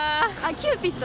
キューピッド。